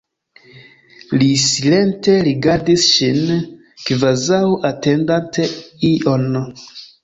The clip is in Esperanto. Li silente rigardis ŝin, kvazaŭ atendante ion.